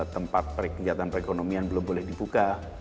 tempat kegiatan perekonomian belum boleh dibuka